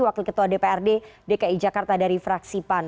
wakil ketua dprd dki jakarta dari fraksi pan